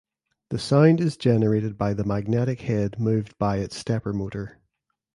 The sound is generated by the magnetic head moved by its stepper motor.